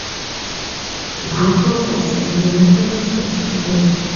ატოლზე ასევე ბინადრობენ ზღვის ფრინველები.